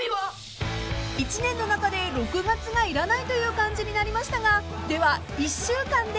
［１年の中で６月がいらないという感じになりましたがでは１週間で］